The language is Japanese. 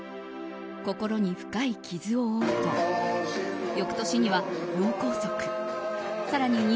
心に深い傷を負うと翌年には脳梗塞更に